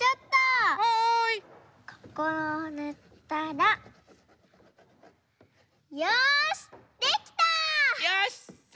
ここをぬったらよしできた！